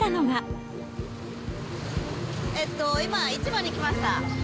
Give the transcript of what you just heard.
今、市場に来ました。